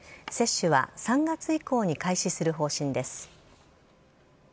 接種は３月以降に開始する方針です。